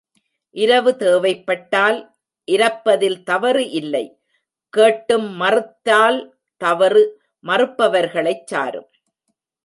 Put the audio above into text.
இரவு தேவைப்பட்டால் இரப்பதில் தவறு இல்லை, கேட்டும் மறுத்தால் தவறு மறுப்பவர்களைச் சாரும்.